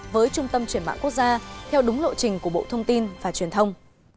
với trung tâm chuyển mạng quốc gia theo đúng lộ trình của bộ thông tin và truyền thông